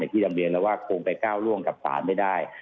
ที่นำเรียนแล้วว่าคงไปก้าวร่วงกับศาลไม่ได้